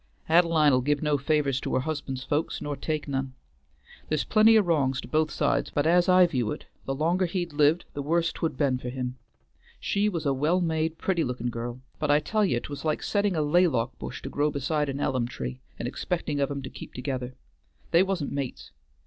Ad'line'll give no favors to her husband's folks, nor take none. There's plenty o' wrongs to both sides, but as I view it, the longer he'd lived the worse 't would been for him. She was a well made, pretty lookin' girl, but I tell ye 't was like setting a laylock bush to grow beside an ellum tree, and expecting of 'em to keep together. They wa'n't mates.